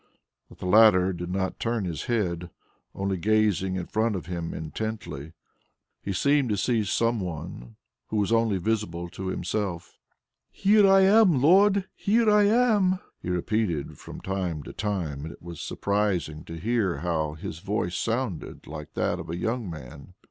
but the latter did not turn his head, only gazing in front of him intently. He seemed to see some one who was only visible to himself. "Here I am, Lord, here I am!" he repeated from time to time, and it was surprising to hear how his voice sounded like that of a young man.